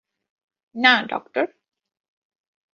না, ডক্টর।